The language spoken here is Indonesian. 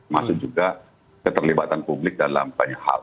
masuk juga keterlibatan publik dalam banyak hal